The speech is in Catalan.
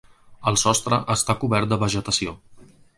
El sostre està cobert de vegetació.